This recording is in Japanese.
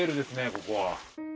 ここは。